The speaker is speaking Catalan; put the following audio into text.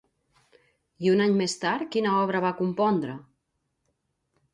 I un any més tard quina obra va compondre?